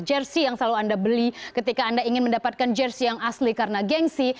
jersi yang selalu anda beli ketika anda ingin mendapatkan jersey yang asli karena gengsi